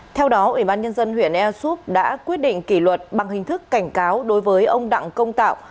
theo đó ubnd huyện air soup đã quyết định kỷ luật bằng hình thức cảnh cáo đối với ông đặng công tạo